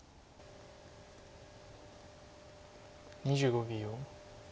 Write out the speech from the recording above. ２５秒。